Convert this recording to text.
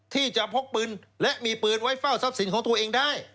ที่จะพกปืนและมีปืนไว้เฝ้าทรัพย์สินของตัวเองได้